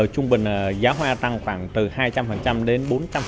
trung bình giá hoa tăng khoảng từ hai trăm linh đến bốn trăm linh